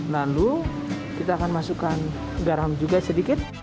lalu kita akan masukkan garam juga sedikit